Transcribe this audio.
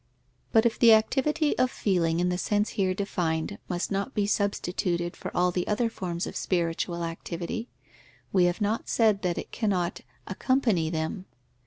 _ But if the activity of feeling in the sense here defined must not be substituted for all the other forms of spiritual activity, we have not said that it cannot accompany them.